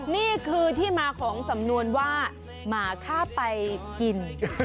นี่คือที่มาของสำนวนว่าหมาถ้าไปกิน